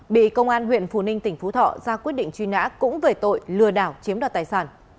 bị công an huyện phù ninh tỉnh phú thọ ra quyết định truy nã cũng về tội lừa đảo chiếm đoạt tài sản